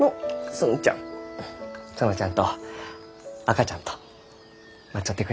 園ちゃんと赤ちゃんと待っちょってくれんか？